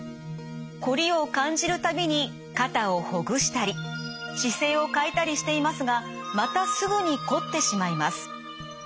こりを感じる度に肩をほぐしたり姿勢を変えたりしていますがまたすぐにこってしまいます。